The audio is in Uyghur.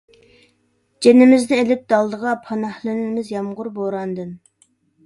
جېنىمىزنى ئېلىپ دالدىغا، پاناھلىنىمىز يامغۇر، بوراندىن.